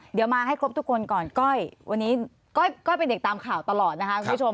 เดี๋ยวมาให้ครบทุกคนก่อนก้อยวันนี้ก้อยเป็นเด็กตามข่าวตลอดนะคะคุณผู้ชม